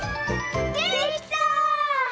できた！